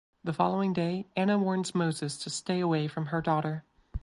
The following day Anna warns Moses to stay away from her daughter.